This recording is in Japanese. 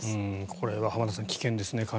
これは浜田さん危険ですね。